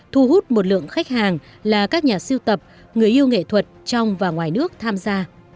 thu hút một lượng khách hàng là các nhà siêu tập người yêu nghệ thuật trong và ngoài nước tham gia